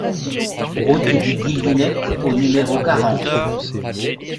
Route du Guilvinec au numéro quarante